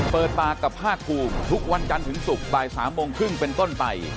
เปิดปากกับภาคภูมิทุกวันจันทร์ถึงศุกร์บ่าย๓โมงครึ่งเป็นต้นไป